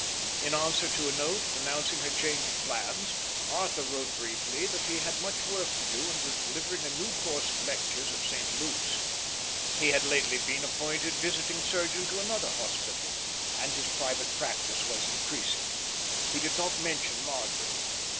In answer to a note announcing her change of plans, Arthur wrote briefly that he had much work to do and was delivering a new course of lectures at St. Luke's; he had lately been appointed visiting surgeon to another hospital, and his private practice was increasing. He did not mention Margaret.